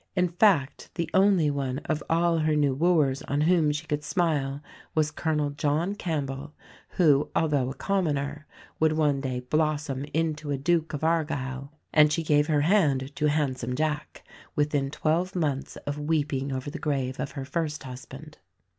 In fact, the only one of all her new wooers on whom she could smile was Colonel John Campbell, who, although a commoner, would one day blossom into a Duke of Argyll; and she gave her hand to "handsome Jack" within twelve months of weeping over the grave of her first husband.